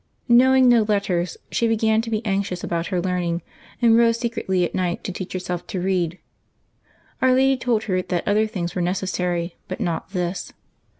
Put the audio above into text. Knowing no letters, she began to be anxious about her learning, and rose secretly at night to teach herself to read. Our Lady told her that other things were necessary, but not this.